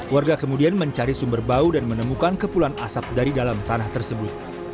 warga kemudian mencari sumber bau dan menemukan kepulan asap dari dalam tanah tersebut